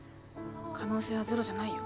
可能性はゼロじゃないよ。